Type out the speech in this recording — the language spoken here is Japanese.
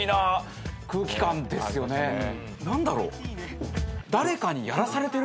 何だろう？